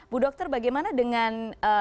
bu dokter bagaimana dengan